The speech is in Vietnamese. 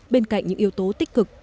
bên cạnh những yếu tố tích cực